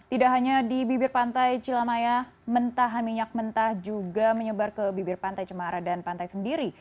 tidak hanya di bibir pantai cilamaya mentahan minyak mentah juga menyebar ke bibir pantai cemara dan pantai sendiri